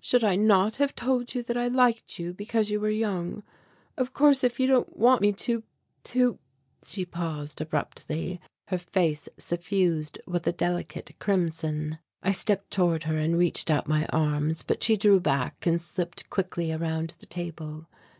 "Should I not have told you that I liked you because you were young? Of course if you don't want me to to " She paused abruptly, her face suffused with a delicate crimson. I stepped toward her and reached out my arms. But she drew back and slipped quickly around the table.